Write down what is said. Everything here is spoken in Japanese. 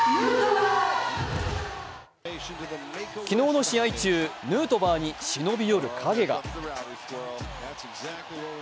昨日の試合中、ヌートバーに忍び寄る影が。